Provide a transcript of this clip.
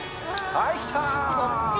はい、きた！